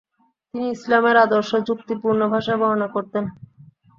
তিনি ইসলামের আদর্শ যুক্তিপূর্ণ ভাষায় বর্ণনা করতেন।